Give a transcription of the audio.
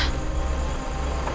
tidak ada masalah